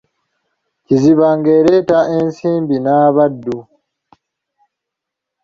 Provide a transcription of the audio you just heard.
Kiziba, ng'ereeta ensimbi n'abaddu.